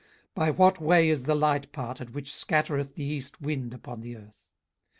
18:038:024 By what way is the light parted, which scattereth the east wind upon the earth?